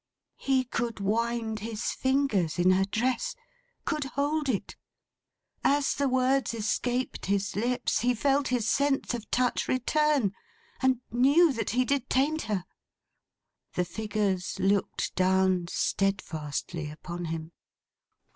He could wind his fingers in her dress; could hold it! As the words escaped his lips, he felt his sense of touch return, and knew that he detained her. The figures looked down steadfastly upon him.